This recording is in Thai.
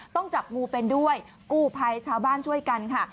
ต้องจับงูเป็นด้วยกู้ภัยชาวบ้านช่วยกันค่ะ